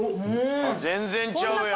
「全然ちゃうやん！」